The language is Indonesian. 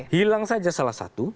hilang saja salah satu